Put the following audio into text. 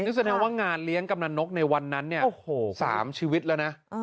นี่แสดงว่างานเลี้ยงกำนันนกในวันนั้นเนี่ย๓ชีวิตแล้วนะ